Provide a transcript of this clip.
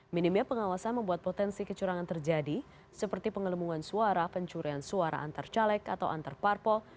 minimnya pengawasan membuat potensi kecurangan terjadi seperti pengelemungan suara pencurian suara antar caleg atau antar parpol